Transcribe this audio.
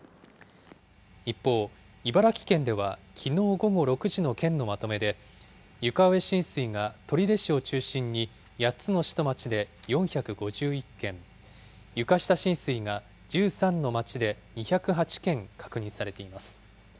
一方、茨城県ではきのう午後６時の県のまとめで、床上浸水が取手市を中心に８つの市と町で４５１件、床下浸水が１３の町で２０８件確認されています。